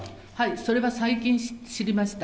それは最近知りました。